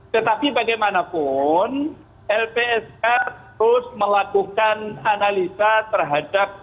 tetapi bagaimanapun lpsk terus melakukan analisa terhadap